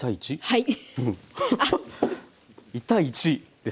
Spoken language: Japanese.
はい。